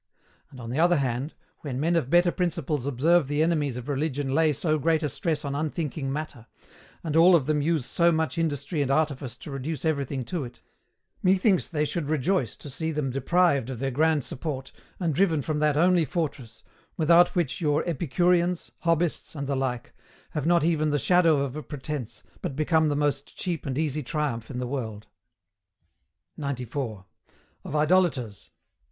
And, on the other hand, when men of better principles observe the enemies of religion lay so great a stress on unthinking Matter, and all of them use so much industry and artifice to reduce everything to it, methinks they should rejoice to see them deprived of their grand support, and driven from that only fortress, without which your Epicureans, Hobbists, and the like, have not even the shadow of a pretence, but become the most cheap and easy triumph in the world. 94. OF IDOLATORS.